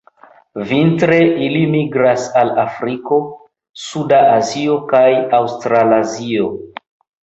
Vintre ili migras al Afriko, suda Azio kaj Aŭstralazio.